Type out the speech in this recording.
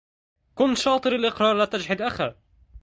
كن شاطر الإقرار لا تجحد أخا